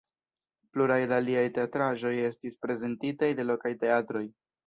Pluraj da liaj teatraĵoj estis prezentitaj de lokaj teatroj.